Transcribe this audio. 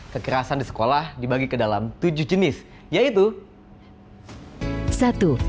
kekerasan di sekolah dibagi ke dalam tujuh jenis yaitu satu